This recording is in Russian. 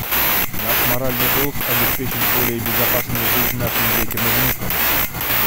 Наш моральный долг — обеспечить более безопасную жизнь нашим детям и внукам.